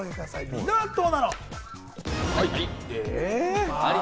みんなはどうなの？